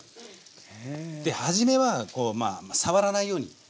ではじめは触らないように。